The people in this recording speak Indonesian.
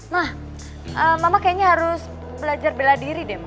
ma mama kayaknya harus belajar bela diri deh ma